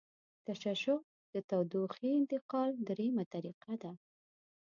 تشعشع د تودوخې انتقال دریمه طریقه ده.